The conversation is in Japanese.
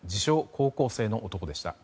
高校生の男でした。